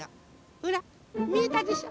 ほらみえたでしょ。